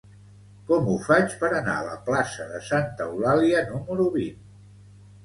Com ho faig per anar a la plaça de Santa Eulàlia número vint?